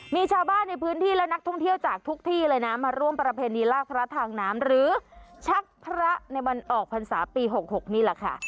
มีชาวบ้านในพื้นที่และนักท่องเที่ยวจากทุกที่เลยนะมาร่วมประเพณีลากพระทางน้ำหรือชักพระในวันออกพรรษาปี๖๖นี่แหละค่ะ